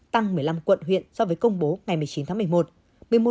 tăng một mươi năm quận huyện so với công bố ngày một mươi chín tháng một mươi một